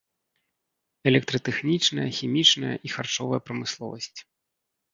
Электратэхнічная, хімічная і харчовая прамысловасць.